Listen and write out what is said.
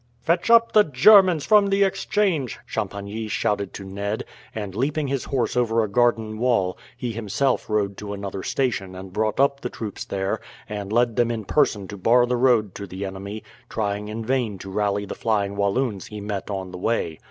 "Fetch up the Germans from the exchange!" Champagny shouted to Ned; and leaping his horse over a garden wall, he himself rode to another station and brought up the troops there, and led them in person to bar the road to the enemy, trying in vain to rally the flying Walloons he met on the way.